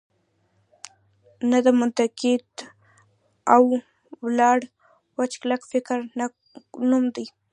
نه د مطلقیت او ولاړ وچ کلک فکر نوم دی.